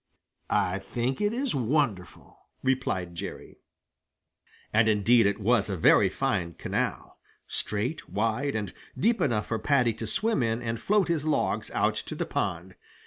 "I think it is wonderful," replied Jerry. And indeed it was a very fine canal, straight, wide, and deep enough for Paddy to swim in and float his logs out to the pond.